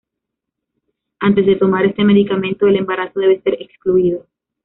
Antes de tomar este medicamento el embarazo debe ser excluido.